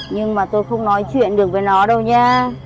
nhưng mà tôi không nói chuyện được với nó đâu nha